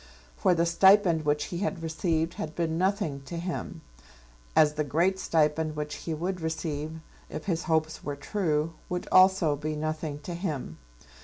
For the stipend which he had received had been nothing to him, as the great stipend which he would receive, if his hopes were true, would also be nothing to him.